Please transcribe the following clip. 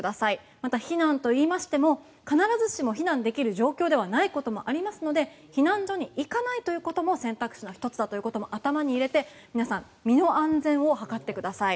また、避難といいましても必ずしも避難できる状況ではないこともありますので避難所に行かないということも選択肢の１つだということも頭に入れて、皆さん身の安全を図ってください。